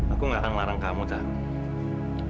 aku enggak akan ngelarang kamu tan